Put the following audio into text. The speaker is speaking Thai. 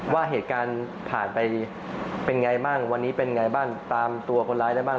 ว่าเหตุการณ์ผ่านไปเป็นไงบ้างวันนี้เป็นไงบ้างตามตัวคนร้ายได้บ้าง